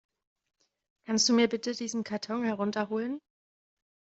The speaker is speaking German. Kannst du mir bitte diesen Karton herunter holen?